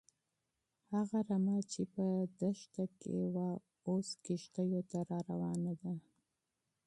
هغه رمه چې په دښته کې وه، اوس کيږديو ته راروانه ده.